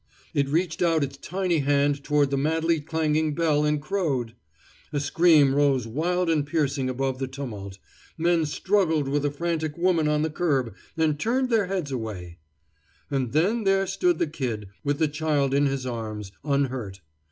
It reached out its tiny hand toward the madly clanging bell and crowed. A scream rose wild and piercing above the tumult; men struggled with a frantic woman on the curb, and turned their heads away And then there stood the Kid, with the child in his arms, unhurt.